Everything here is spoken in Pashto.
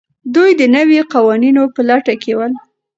دوی د نویو قوانینو په لټه کې ول.